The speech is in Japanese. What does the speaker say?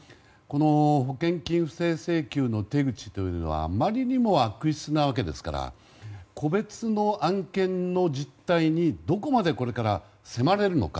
保険金不正請求の手口というのはあまりにも悪質なわけですから個別の案件の実態にどこまでこれから迫られるのか。